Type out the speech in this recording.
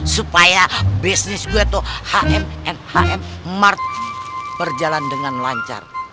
supaya bisnis gua tuh hmn hm mart berjalan dengan lancar